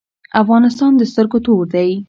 افغانستان د سترګو تور دی